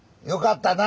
よかった！